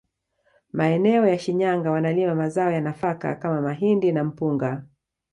Maeneo ya Shinyanga wanalima mazao ya nafaka kama mahindi na mpunga